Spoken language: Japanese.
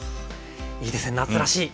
いいですね夏らしい！